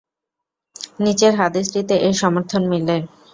নিচের হাদীসটিতে এর সমর্থন মিলে।